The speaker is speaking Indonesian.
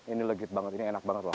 ini legit banget ini enak banget loh